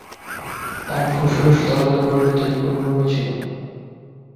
তার ফুসফুস তরলে পরিপূর্ণ ছিল।